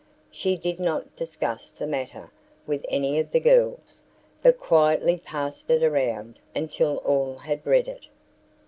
She did not discuss the matter with any of the girls, but quietly passed it around until all had read it.